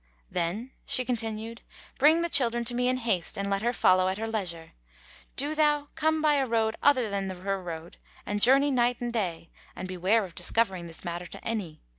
"Then," she continued, "bring the children to me in haste and let her follow at her leisure. Do thou come by a road other than her road and journey night and day and beware of discovering this matter to any.